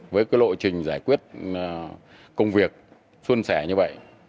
với cái lộ trình giải quyết công việc xuân sẻ như vậy